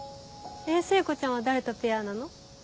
えっ聖子ちゃんは誰とペアなの？